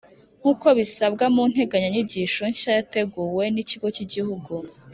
nk’uko bisabwa mu nteganyanyigisho nshya yateguwe n’Ikigo k’Igihugu